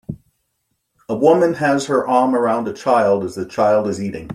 A woman has her arm around a child as the child is eating